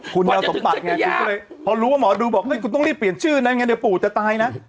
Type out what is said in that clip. คุณสมบัติไงคุณก็เลยพอรู้ว่าหมอดูบอกคุณต้องรีบเปลี่ยนชื่อนั้นไงเดี๋ยวปู่จะตายนะ